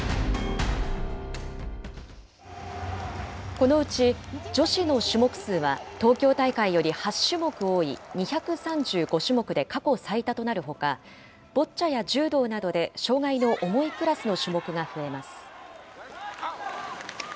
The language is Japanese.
このうち女子の種目数は、東京大会より８種目多い２３５種目で過去最多となるほか、ボッチャや柔道などで障害の重いクラスの種目が増えます。